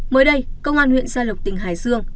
mới đây công an huyện gia lộc tỉnh hải dương